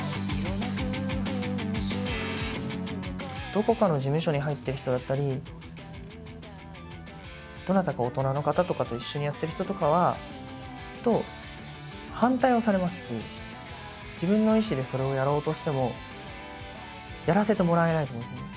どこかの事務所に入ってる人だったりどなたか大人の方とかと一緒にやってる人とかはきっと反対をされますし自分の意思でそれをやろうとしてもやらせてもらえないと思うんですよね。